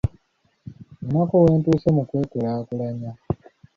Ninako we ntuuse mu kwekulaakulanya.